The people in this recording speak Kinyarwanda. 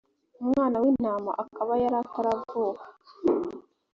umwana w’intama akaba yari itaravuka